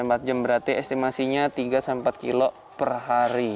empat jam berarti estimasinya tiga sampai empat kilo per hari